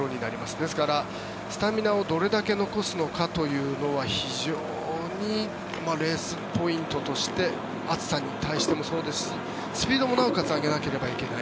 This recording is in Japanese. ですから、スタミナをどれだけ残すのかというのは非常にレースポイントとして暑さに対してもそうですしスピードもなおかつ上げなければいけない。